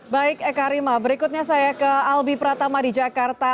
baik eka rima berikutnya saya ke albi pratama di jakarta